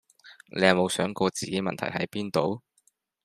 你有無想過自己問題係邊度？